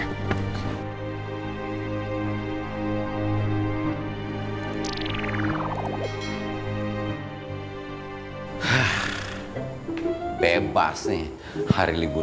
yang jifah terbagi perattu